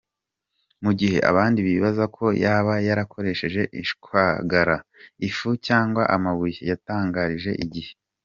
Mu gihe abandi bibazaga ko yaba yarakoresheje ishwagara, ifu cyangwa amabuye, yatangarije igihe.